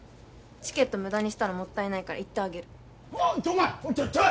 チケット無駄にしたらもったいないから行ってあげるわっちょっ弾！